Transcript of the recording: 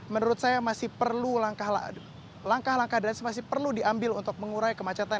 menurut saya masih perlu langkah langkah dan masih perlu diambil untuk mengurai kemacetan